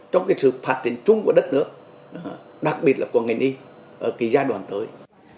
trong sự phát triển chung của đất nước đặc biệt là của nghệ niên ở giai đoạn tới